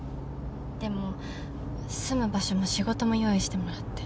でも住む場所も仕事も用意してもらって